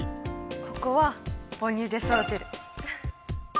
ここは「母乳で育てる」。